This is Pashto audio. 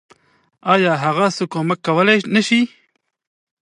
آيا هغه څه کمک کولی نشي.